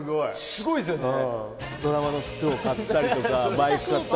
すごいですよね？